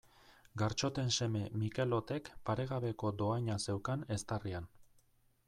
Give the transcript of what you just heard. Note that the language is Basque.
Gartxoten seme Mikelotek paregabeko dohaina zeukan eztarrian.